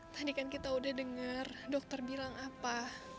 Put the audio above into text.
tadi kan kita udah dengar dokter bilang apa